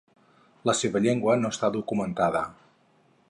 La seva llengua no està documentada.